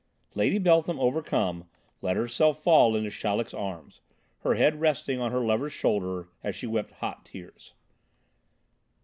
Lady Beltham, overcome, let herself fall into Chaleck's arms, her head resting on her lover's shoulder as she wept hot tears.